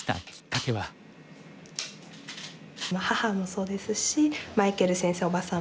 母もそうですしマイケル先生叔母様